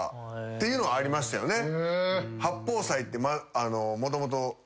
っていうのはありましたよね。